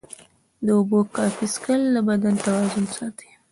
د اوبو کافي څښل د بدن توازن ساتي.